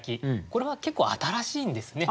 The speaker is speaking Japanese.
これは結構新しいんですね。